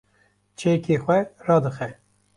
çekê xwe radixe